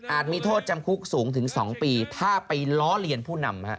มีโทษจำคุกสูงถึง๒ปีถ้าไปล้อเลียนผู้นำ